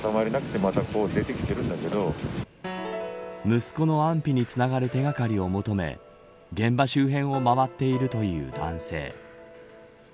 息子の安否につながる手掛かりを求め現場周辺を回っているという男性。